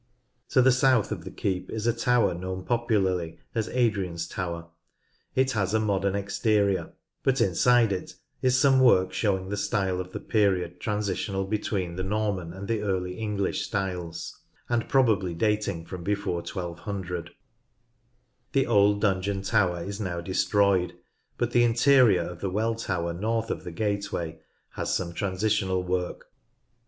To the south of the keep is a tower known popularly as Adrian's tower. It has a modern exterior, but inside it is some work showing the style of the period transitional between the Norman and the Early English styles, and probably dating from before 1200. The old dungeon tower is now destroyed, but the interior of the Well Tower north of the gateway has some transitional work.